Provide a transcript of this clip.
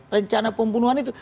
rencana pembunuhan itu